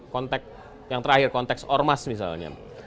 konteks yang terakhir konteks ormas misalnya